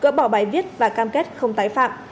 gỡ bỏ bài viết và cam kết không tái phạm